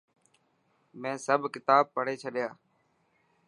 مين سڀ ڪتاب پڙهي ڇڏيا.